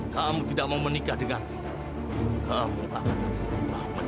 kamu tidak apa apa